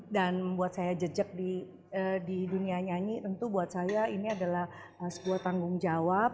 dan buat saya jejak di dunia nyanyi tentu buat saya ini adalah sebuah tanggung jawab